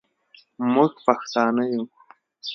موږ پښتانه یو